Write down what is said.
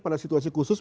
pada situasi khusus